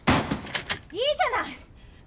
いいじゃない！